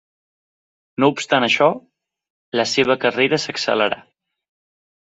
No obstant això, la seva carrera s'accelerà.